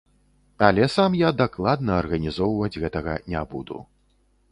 Але сам я дакладна арганізоўваць гэтага не буду.